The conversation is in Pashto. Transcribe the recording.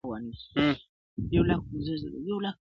په اولس کي به دي ږغ «منظورومه »٫